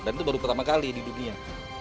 dan itu baru pertama kali di dunia